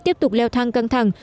tiếp tục leo thang căng thẳng